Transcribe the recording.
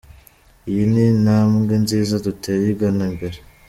Iyi ni intambwe nziza duteye igana imbere.